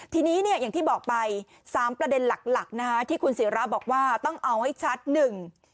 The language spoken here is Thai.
ทีนี้เนี่ยอย่างที่บอกไปสามประเด็นหลักหลักนะคะที่คุณศิราบอกว่าต้องเอาให้ชัดหนึ่ง